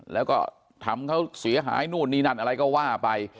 แล้วก็ทำเขาเสียหายนู่นนี่นั่นอะไรก็ว่าไป